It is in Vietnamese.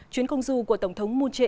chuyến công du của tổng thống moon jae in